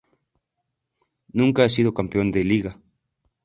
Nunca ha sido campeón de Liga.